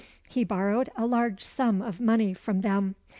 He borrowed a large sum of money from them.